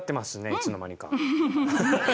いつの間にか。